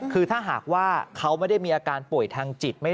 คือถ้าหากว่าเขาไม่ได้มีอาการป่วยทางจิต